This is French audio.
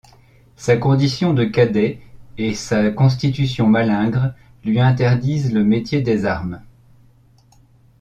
Sa condition de cadet et sa constitution malingre lui interdisent le métier des armes.